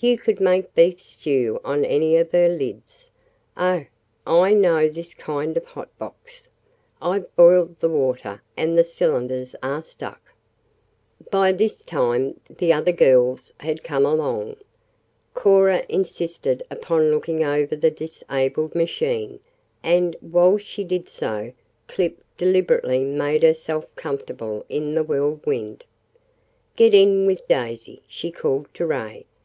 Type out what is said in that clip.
"You could make beef stew on any of her lids. Oh, I know this kind of hot box! I've boiled the water, and the cylinders are stuck." By this time the other girls had come along. Cora insisted upon looking over the disabled machine, and, while she did so, Clip deliberately made herself comfortable in the Whirlwind. "Get in with Daisy," she called to Ray.